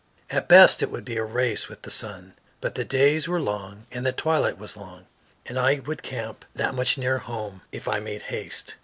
At best it would be a race with the sun, but the days were long, and the twilight was long, and I would camp that much nearer home if I made haste.